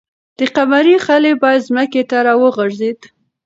د قمرۍ خلی بیا ځمکې ته راوغورځېد.